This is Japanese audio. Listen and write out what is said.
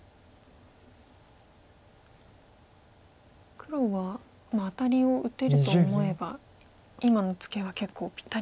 黒はアタリを打てると思えば今のツケは結構ぴったり。